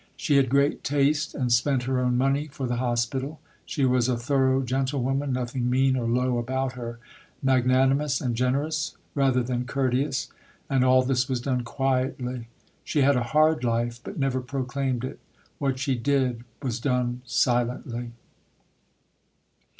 She had great taste and spent her own money for the hospital. She was a thorough gentlewoman, nothing mean or low about her; magnanimous and generous, rather than courteous. And all this was done quietly.... She had a hard life, but never proclaimed it. What she did was done silently.